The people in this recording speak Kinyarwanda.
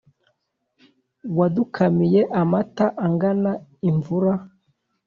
wadukamiye amata angana imvura,